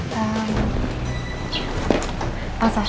soalnya ada yang pengen aku tanyain sama kamu